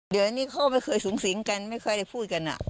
เดี๋ยวนี้เขาไม่เคยสูงสิงกันไม่เคยได้พูดกัน